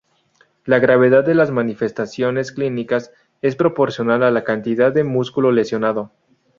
La gravedad de las manifestaciones clínicas es proporcional a la cantidad de músculo lesionado.